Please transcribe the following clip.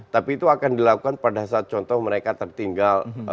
tapi itu akan dilakukan pada saat contoh mereka tertinggal